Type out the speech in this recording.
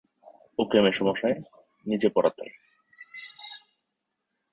ওকে মেসোমশায় নিজে পড়াতেন।